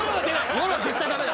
夜は絶対ダメだ。